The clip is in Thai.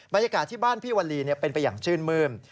บรรยากาศที่บ้านพี่วลีเป็นไปอย่างชื่นมื้ม